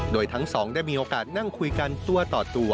โดยทั้งสองได้มีโอกาสนั่งคุยกันตัวต่อตัว